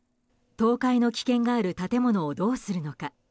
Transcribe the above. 倒壊の危険がある建物をどうするのか。